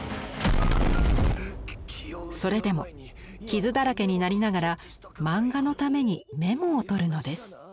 それでも傷だらけになりながら漫画のためにメモをとるのです。